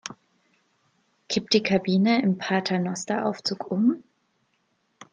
Kippt die Kabine im Paternosteraufzug um?